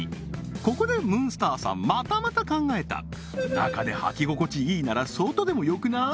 ここでムーンスターさんまたまた考えた中で履き心地いいなら外でもよくない？